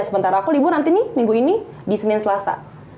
sementara aku libur nanti nih minggu ini di senin selasa